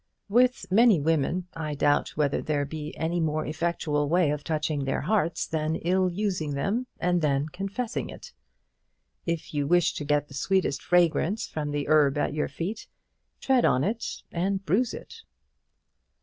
With many women I doubt whether there be any more effectual way of touching their hearts than ill using them and then confessing it. If you wish to get the sweetest fragrance from the herb at your feet, tread on it and bruise it.